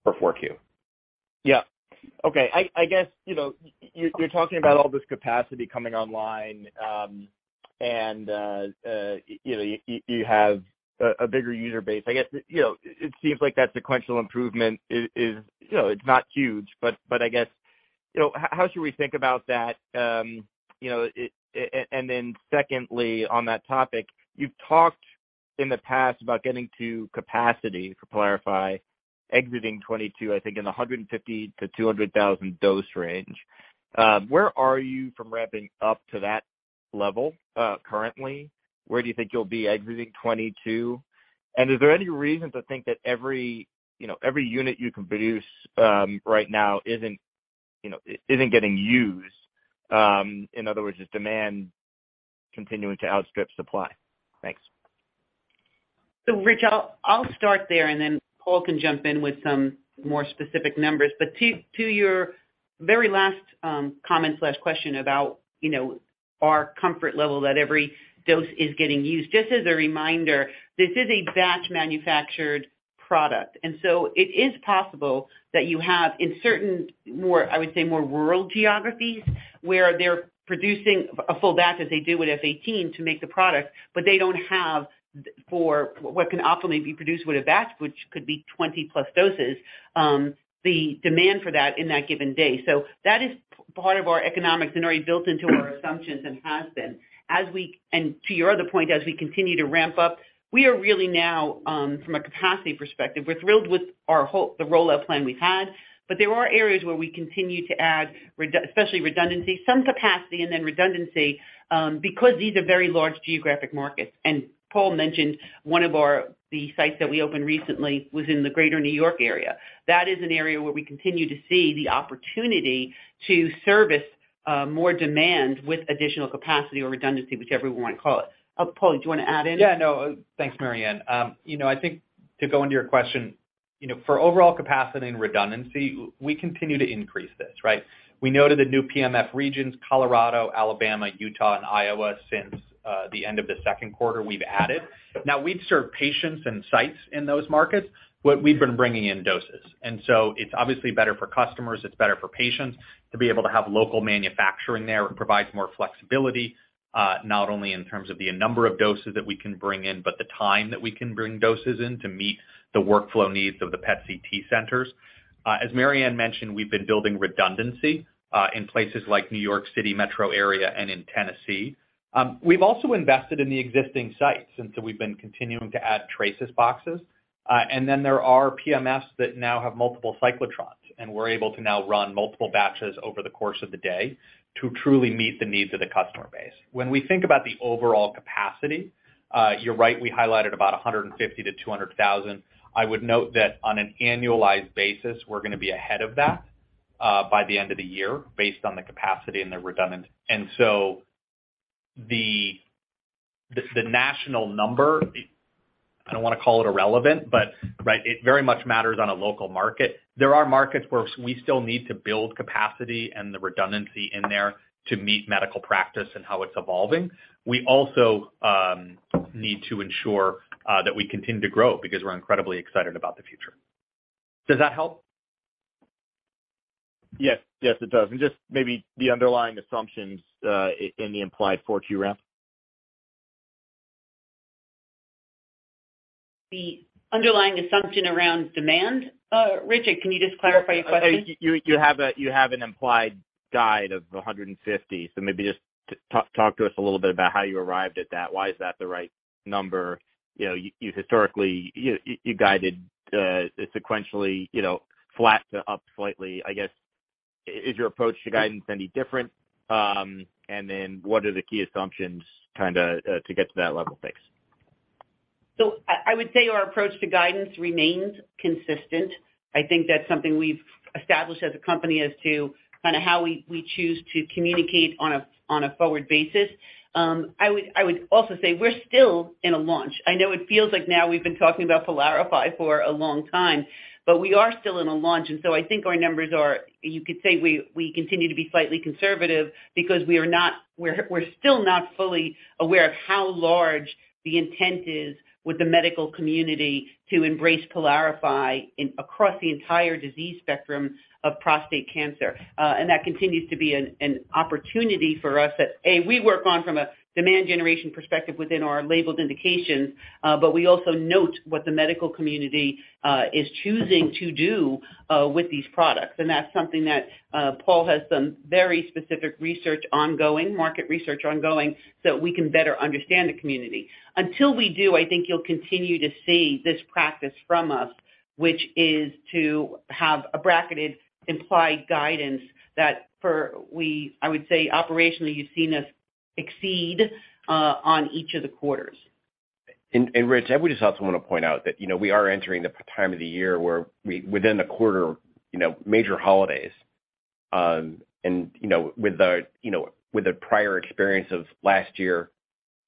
For 4Q. Yeah. Okay. I guess you know you're talking about all this capacity coming online and you know you have a bigger user base. I guess you know it seems like that sequential improvement is you know it's not huge but I guess you know how should we think about that? You know and then secondly on that topic you've talked in the past about getting to capacity for PYLARIFY exiting 2022 I think in the 150,000-200,000 dose range. Where are you from ramping up to that level currently? Where do you think you'll be exiting 2022? And is there any reason to think that every you know every unit you can produce right now isn't you know isn't getting used? In other words is demand continuing to outstrip supply? Thanks. Richard, I'll start there, and then Paul can jump in with some more specific numbers. To your very last comment/question about, you know, our comfort level that every dose is getting used. Just as a reminder, this is a batch manufactured product, and so it is possible that you have in certain more, I would say, more rural geographies, where they're producing a full batch as they do with F-18 to make the product, but they don't have what can optimally be produced with a batch, which could be 20+ doses, the demand for that in that given day. That is part of our economics and already built into our assumptions and has been. As we To your other point, as we continue to ramp up, we are really now from a capacity perspective, we're thrilled with the rollout plan we've had, but there are areas where we continue to add especially redundancy, some capacity and then redundancy, because these are very large geographic markets. Paul mentioned the sites that we opened recently was in the greater New York area. That is an area where we continue to see the opportunity to service more demand with additional capacity or redundancy, whichever we wanna call it. Paul, do you wanna add in? Yeah, no. Thanks, Mary Anne. I think to go into your question, you know, for overall capacity and redundancy, we continue to increase this, right? We noted the new PMF regions, Colorado, Alabama, Utah, and Iowa, since the end of the second quarter, we've added. Now, we've served patients and sites in those markets, but we've been bringing in doses. It's obviously better for customers, it's better for patients to be able to have local manufacturing there. It provides more flexibility, not only in terms of the number of doses that we can bring in, but the time that we can bring doses in to meet the workflow needs of the PET CT centers. As Mary Anne mentioned, we've been building redundancy, in places like New York City metro area and in Tennessee. We've also invested in the existing sites since we've been continuing to add Trasis boxes. There are PMFs that now have multiple cyclotrons, and we're able to now run multiple batches over the course of the day to truly meet the needs of the customer base. When we think about the overall capacity, you're right, we highlighted about 150,000-200,000. I would note that on an annualized basis, we're gonna be ahead of that, by the end of the year based on the capacity and the redundancy. The national number, I don't wanna call it irrelevant, but, right, it very much matters on a local market. There are markets where we still need to build capacity and the redundancy in there to meet medical practice and how it's evolving. We also need to ensure that we continue to grow because we're incredibly excited about the future. Does that help? Yes. Yes, it does. Just maybe the underlying assumptions in the implied 4Q ramp. The underlying assumption around demand? Richard, can you just clarify your question? You have an implied guide of 150. Maybe just talk to us a little bit about how you arrived at that. Why is that the right number? You know, you historically guided sequentially, you know, flat to up slightly. I guess, is your approach to guidance any different? What are the key assumptions kind of to get to that level EPS? I would say our approach to guidance remains consistent. I think that's something we've established as a company as to kinda how we choose to communicate on a forward basis. I would also say we're still in a launch. I know it feels like now we've been talking about PYLARIFY for a long time, but we are still in a launch. I think our numbers are. You could say we continue to be slightly conservative because we're still not fully aware of how large the intent is with the medical community to embrace PYLARIFY across the entire disease spectrum of prostate cancer. That continues to be an opportunity for us that we work on from a demand generation perspective within our labeled indications, but we also note what the medical community is choosing to do with these products. That's something that Paul has some very specific research ongoing, market research ongoing, so we can better understand the community. Until we do, I think you'll continue to see this practice from us, which is to have a bracketed implied guidance. I would say operationally, you've seen us exceed on each of the quarters. Rich, I would just also wanna point out that, you know, we are entering the peak time of the year within the quarter, you know, major holidays, and, you know, with the prior experience of last year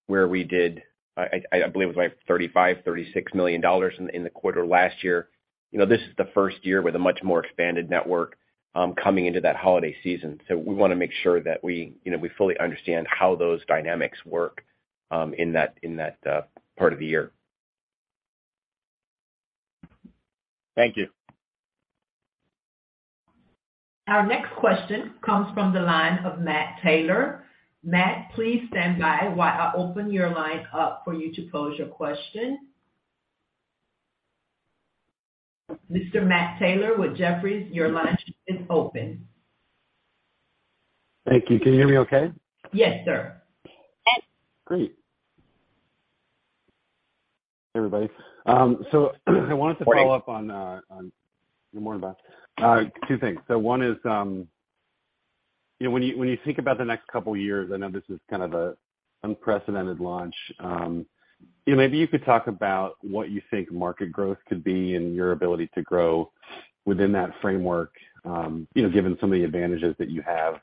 where we did, I believe it was like $35 million, $36 million in the quarter last year. You know, this is the first year with a much more expanded network coming into that holiday season. We wanna make sure that we, you know, we fully understand how those dynamics work in that part of the year. Thank you. Our next question comes from the line of Matt Taylor. Matt, please stand by while I open your line up for you to pose your question. Mr. Matt Taylor with Jefferies, your line is open. Thank you. Can you hear me okay? Yes, sir. Great. Hey, everybody. I wanted to follow up on. Good morning, Bob. Two things. One is, you know, when you think about the next couple of years, I know this is kind of an unprecedented launch, you know, maybe you could talk about what you think market growth could be and your ability to grow within that framework, you know, given some of the advantages that you have,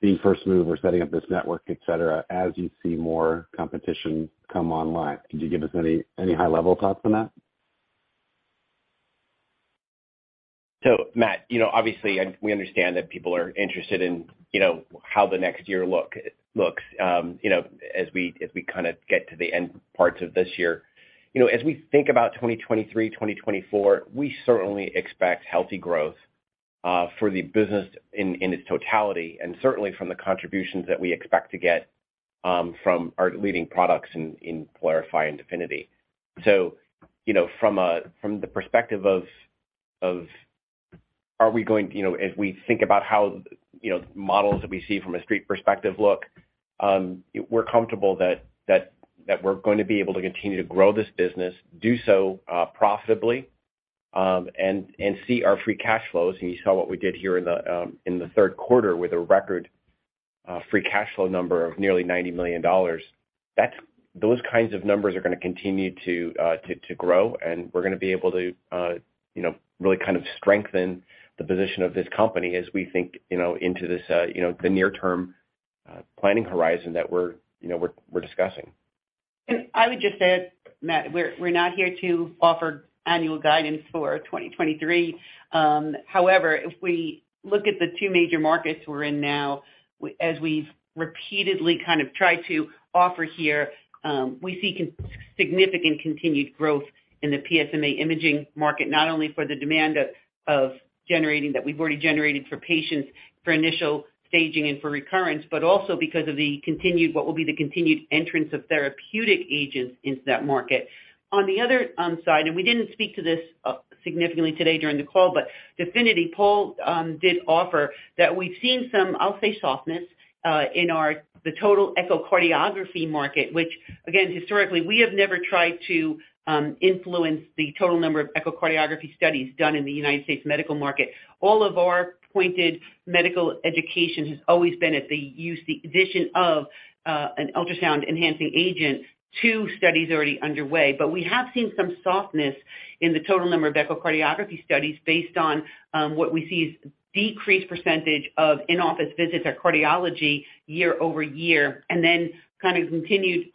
the first move or setting up this network, et cetera, as you see more competition come online. Could you give us any high level thoughts on that? Matt, you know, obviously we understand that people are interested in, you know, how the next year looks, as we kind of get to the end parts of this year. You know, as we think about 2023, 2024, we certainly expect healthy growth for the business in its totality, and certainly from the contributions that we expect to get from our leading products in PYLARIFY and DEFINITY. You know, as we think about how, you know, models that we see from a street perspective look, we're comfortable that we're going to be able to continue to grow this business, do so profitably, and see our free cash flows. You saw what we did here in the third quarter with a record free cash flow number of nearly $90 million. That's those kinds of numbers are going to continue to grow, and we're going to be able to you know really kind of strengthen the position of this company as we think you know into this you know the near term planning horizon that we're you know discussing. I would just add, Matt, we're not here to offer annual guidance for 2023. However, if we look at the two major markets we're in now, as we've repeatedly kind of tried to offer here, we see significant continued growth in the PSMA imaging market, not only for the demand of generating that we've already generated for patients for initial staging and for recurrence, but also because of the continued, what will be the continued entrance of therapeutic agents into that market. On the other side, we didn't speak to this significantly today during the call, but DEFINITY, Paul, did offer that we've seen some, I'll say, softness in the total echocardiography market, which again, historically, we have never tried to influence the total number of echocardiography studies done in the United States medical market. All of our point-of-care medical education has always been at the use, the addition of, an ultrasound enhancing agent to studies already underway. We have seen some softness in the total number of echocardiography studies based on what we see is decreased percentage of in-office visits in cardiology year-over-year, and then kind of continued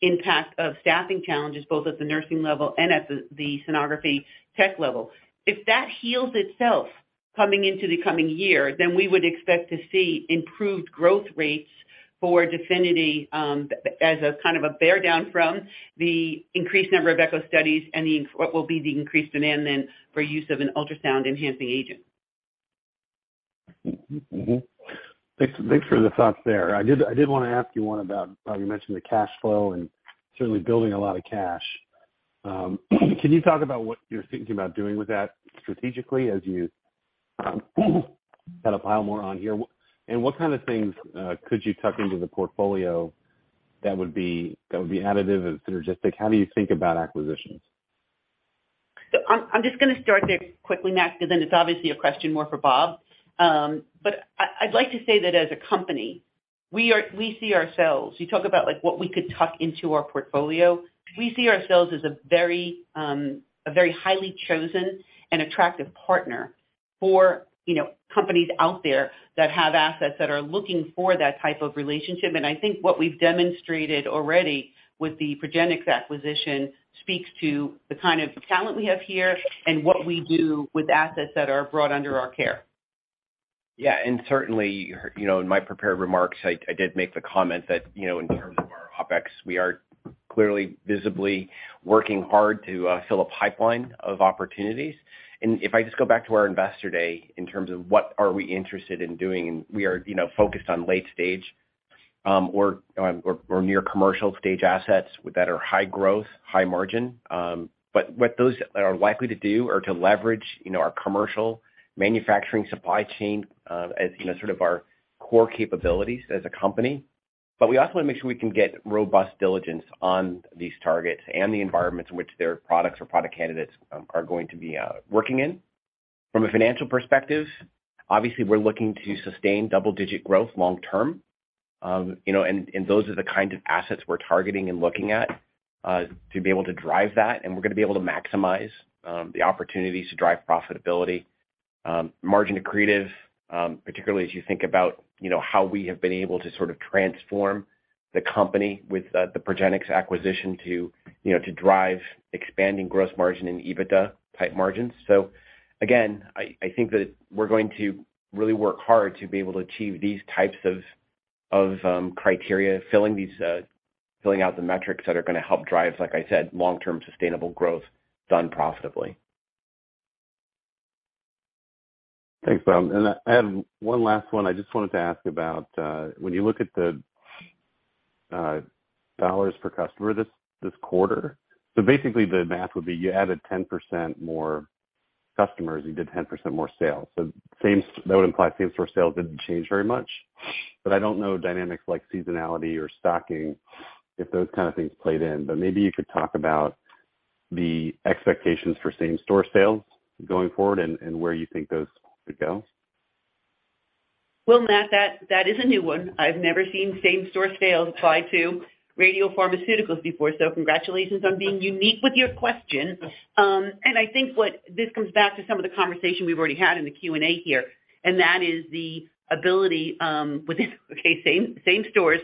impact of staffing challenges both at the nursing level and at the sonography tech level. If that heals itself coming into the coming year, then we would expect to see improved growth rates for DEFINITY, as a kind of a rebound from the increased number of echo studies and what will be the increased demand then for use of an ultrasound enhancing agent. Mm-hmm. Thanks for the thoughts there. I did want to ask you one about how you mentioned the cash flow and certainly building a lot of cash. Can you talk about what you're thinking about doing with that strategically as you kind of pile more on here? What kind of things could you tuck into the portfolio that would be additive and synergistic? How do you think about acquisitions? I'm just gonna start there quickly, Matt, because then it's obviously a question more for Bob. I'd like to say that as a company, we see ourselves, you talk about like what we could tuck into our portfolio. We see ourselves as a very highly chosen and attractive partner for, you know, companies out there that have assets that are looking for that type of relationship. I think what we've demonstrated already with the Progenics acquisition speaks to the kind of talent we have here and what we do with assets that are brought under our care. Yeah. Certainly, you know, in my prepared remarks, I did make the comment that, you know, in terms of our OpEx, we are clearly visibly working hard to fill a pipeline of opportunities. If I just go back to our investor day in terms of what we are interested in doing, we are, you know, focused on late stage or near commercial stage assets that are high growth, high margin. But what those are likely to do are to leverage, you know, our commercial manufacturing supply chain, as you know, sort of our core capabilities as a company. We also want to make sure we can get robust diligence on these targets and the environments in which their products or product candidates are going to be working in. From a financial perspective, obviously, we're looking to sustain double-digit growth long term. You know, those are the kinds of assets we're targeting and looking at to be able to drive that. We're gonna be able to maximize the opportunities to drive profitability, margin accretive, particularly as you think about, you know, how we have been able to sort of transform the company with the Progenics acquisition to, you know, to drive expanding gross margin and EBITDA type margins. Again, I think that we're going to really work hard to be able to achieve these types of criteria, filling out the metrics that are gonna help drive, like I said, long-term sustainable growth done profitably. Thanks, Bob. I had one last one I just wanted to ask about. When you look at the dollars per customer this quarter. Basically the math would be you added 10% more customers, you did 10% more sales. That would imply same store sales didn't change very much. I don't know dynamics like seasonality or stocking, if those kind of things played in. Maybe you could talk about the expectations for same store sales going forward and where you think those could go. Well, Matt, that is a new one. I've never seen same-store sales apply to radiopharmaceuticals before. Congratulations on being unique with your question. I think what this comes back to some of the conversation we've already had in the Q&A here, and that is the ability with this same store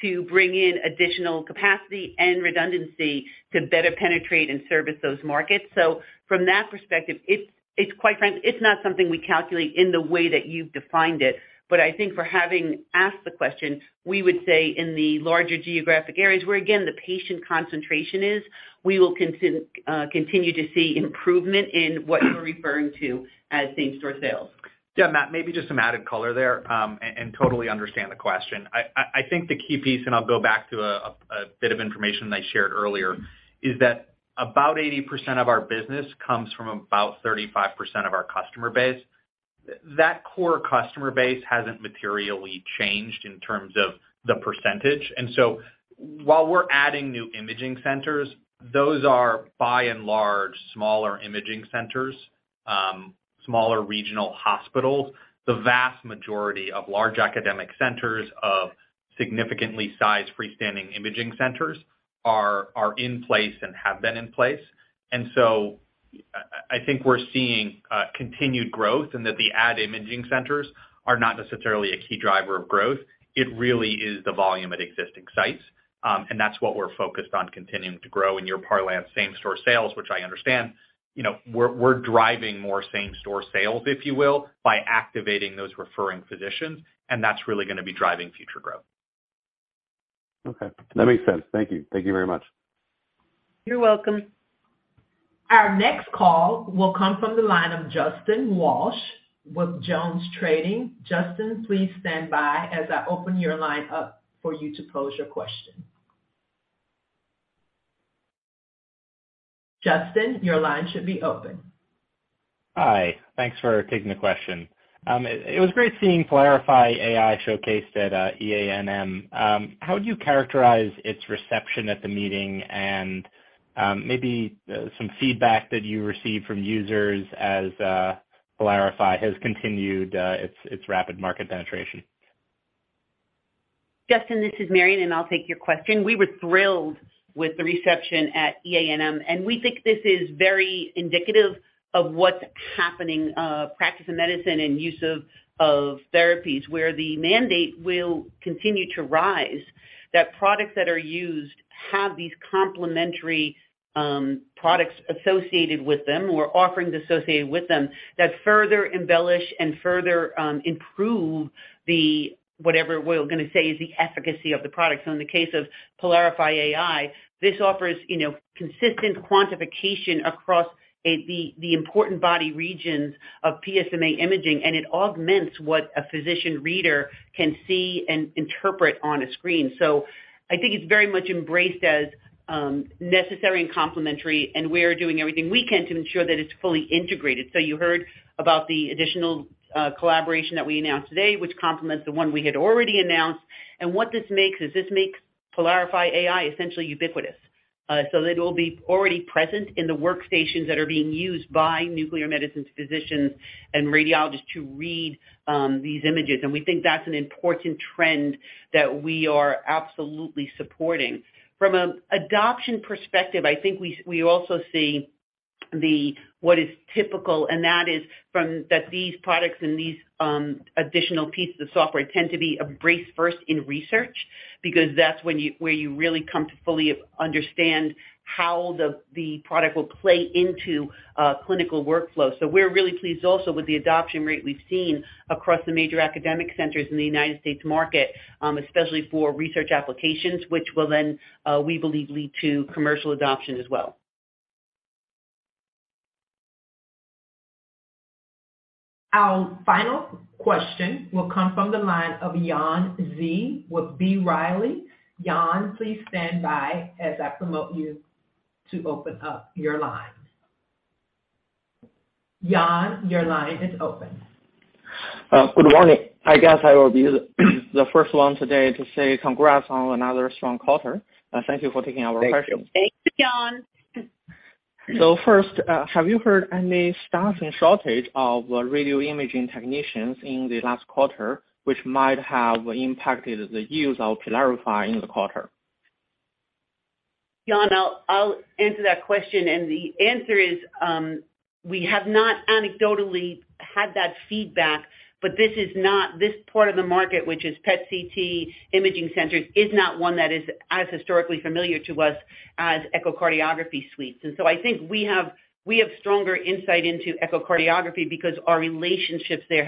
to bring in additional capacity and redundancy to better penetrate and service those markets. From that perspective, it's quite frankly. It's not something we calculate in the way that you've defined it. I think for having asked the question, we would say in the larger geographic areas, where again the patient concentration is, we will continue to see improvement in what you're referring to as same-store sales. Yeah, Matt, maybe just some added color there, and totally understand the question. I think the key piece, and I'll go back to a bit of information I shared earlier, is that about 80% of our business comes from about 35% of our customer base. That core customer base hasn't materially changed in terms of the percentage. While we're adding new imaging centers, those are by and large, smaller imaging centers, smaller regional hospitals. The vast majority of large academic centers of significantly sized freestanding imaging centers are in place and have been in place. I think we're seeing continued growth and that the added imaging centers are not necessarily a key driver of growth. It really is the volume at existing sites. That's what we're focused on continuing to grow in your PYLARIFY same-store sales, which I understand. You know, we're driving more same-store sales, if you will, by activating those referring physicians, and that's really gonna be driving future growth. Okay, that makes sense. Thank you. Thank you very much. You're welcome. Our next call will come from the line of Justin Walsh with JonesTrading. Justin, please stand by as I open your line up for you to pose your question. Justin, your line should be open. Hi, thanks for taking the question. It was great seeing PYLARIFY AI showcased at EANM. How would you characterize its reception at the meeting and maybe some feedback that you received from users as PYLARIFY has continued its rapid market penetration? Justin, this is Mary Anne, and I'll take your question. We were thrilled with the reception at EANM, and we think this is very indicative of what's happening, practice of medicine and use of therapies where the mandate will continue to rise, that products that are used have these complementary products associated with them or offerings associated with them that further embellish and further improve the whatever we're gonna say is the efficacy of the products. In the case of PYLARIFY AI, this offers, you know, consistent quantification across the important body regions of PSMA imaging, and it augments what a physician reader can see and interpret on a screen. I think it's very much embraced as necessary and complementary, and we're doing everything we can to ensure that it's fully integrated. You heard about the additional collaboration that we announced today, which complements the one we had already announced. What this makes is PYLARIFY AI essentially ubiquitous. It'll be already present in the workstations that are being used by nuclear medicine physicians and radiologists to read these images. We think that's an important trend that we are absolutely supporting. From adoption perspective, I think we also see what is typical, and that is these products and these additional pieces of software tend to be embraced first in research because that's where you really come to fully understand how the product will play into a clinical workflow. We're really pleased also with the adoption rate we've seen across the major academic centers in the United States market, especially for research applications, which will then, we believe, lead to commercial adoption as well. Our final question will come from the line of Yuan Zhi with B. Riley. Yuan, please stand by as I prompt you to open up your line. Yuan, your line is open. Good morning. I guess I will be the first one today to say congrats on another strong quarter. Thank you for taking our question. Thanks, Yuan. First, have you heard any staffing shortage of radiology imaging technicians in the last quarter, which might have impacted the use of PYLARIFY in the quarter? Yuan, I'll answer that question. The answer is, we have not anecdotally had that feedback, but this part of the market, which is PET/CT imaging centers, is not one that is as historically familiar to us as echocardiography suites. I think we have stronger insight into echocardiography because our relationships there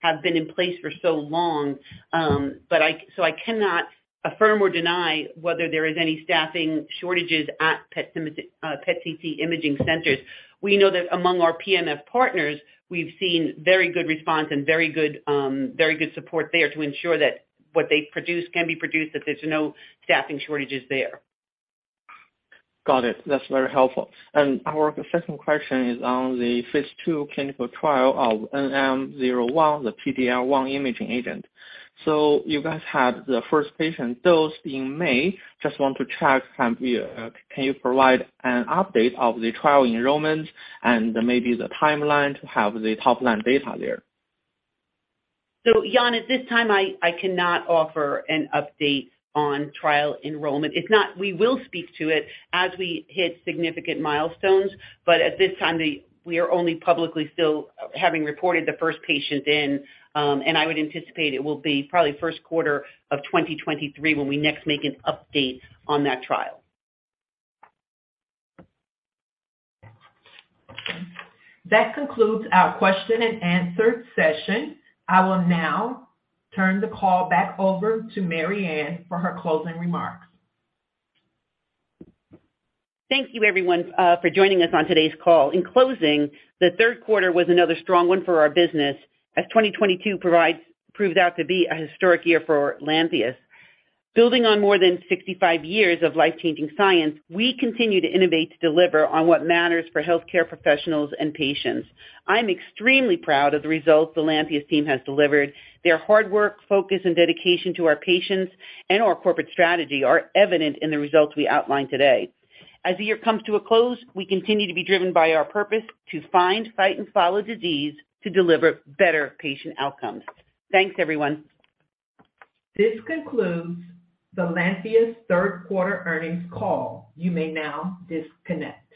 have been in place for so long. I cannot affirm or deny whether there is any staffing shortages at PET/CT imaging centers. We know that among our PMF partners, we've seen very good response and very good support there to ensure that what they produce can be produced, that there's no staffing shortages there. Got it. That's very helpful. Our second question is on the phase II clinical trial of NM-01, the PD-L1 imaging agent. You guys had the first patient dose in May. Just want to check, can you provide an update of the trial enrollment and maybe the timeline to have the top-line data there? Yuan, at this time, I cannot offer an update on trial enrollment. We will speak to it as we hit significant milestones, but at this time, we are only publicly still having reported the first patient in, and I would anticipate it will be probably first quarter of 2023 when we next make an update on that trial. That concludes our question and answer session. I will now turn the call back over to Mary Anne for her closing remarks. Thank you everyone, for joining us on today's call. In closing, the third quarter was another strong one for our business as 2022 proves out to be a historic year for Lantheus. Building on more than 65 years of life-changing science, we continue to innovate to deliver on what matters for healthcare professionals and patients. I'm extremely proud of the results the Lantheus team has delivered. Their hard work, focus, and dedication to our patients and our corporate strategy are evident in the results we outlined today. As the year comes to a close, we continue to be driven by our purpose to find, fight, and follow disease to deliver better patient outcomes. Thanks, everyone. This concludes the Lantheus third quarter earnings call. You may now disconnect.